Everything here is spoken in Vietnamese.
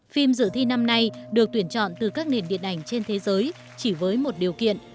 phim dự thi năm nay được tuyển chọn từ các nền điện ảnh trên thế giới chỉ với một điều kiện